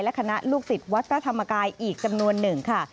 และคณะลูกศิษย์วัดพระธรรมกายอีกจำนวนหนึ่งค่ะ